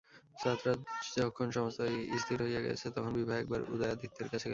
যাত্রার যখন সমস্তই স্থির হইয়া গেছে, তখন বিভা একবার উদয়াদিত্যের কাছে গেল!